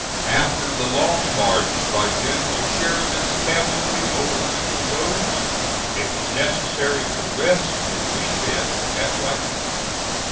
After the long march by General Sheridan's cavalry over winter roads, it was necessary to rest and refit at White House.